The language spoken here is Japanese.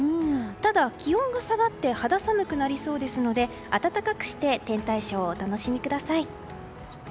ただ、気温が下がって肌寒くなりそうですので暖かくして天体ショーをお楽しみください。